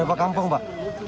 berapa kampung pak